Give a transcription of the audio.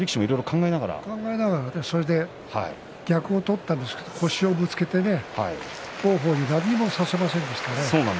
考えながら逆を取ったんですけど腰をぶつけて王鵬に何もさせませんでしたね。